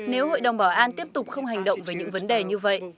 nếu hội đồng bảo an tiếp tục không hành động về những vấn đề như vậy